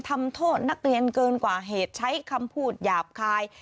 ทำโทษนักเรียนเกินกว่าเหตุใช้คำพูดหยาบคาย